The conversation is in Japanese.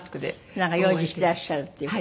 なんか用事してらっしゃるっていう事。